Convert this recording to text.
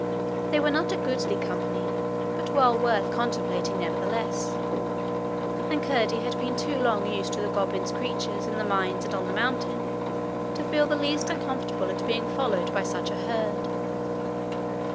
They were not a goodly company, but well worth contemplating, nevertheless; and Curdie had been too long used to the goblins' creatures in the mines and on the mountain, to feel the least uncomfortable at being followed by such a herd.